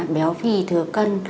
béo phì thừa cân